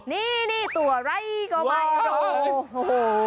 นี่ตัวไรก็ไม่รู้โอ้โห